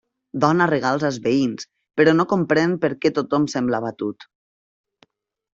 Dóna regals als veïns, però no comprèn per què tothom sembla abatut.